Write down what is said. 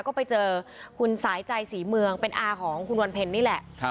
ก็ไปเจอคุณสายใจศรีเมืองเป็นอาของคุณวันเพ็ญนี่แหละ